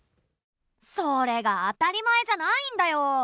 それが当たり前じゃないんだよ！